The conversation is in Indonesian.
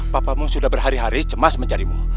papamu sudah berhari hari cemas mencarimu